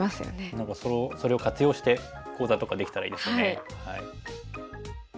何かそれを活用して講座とかできたらいいですよね。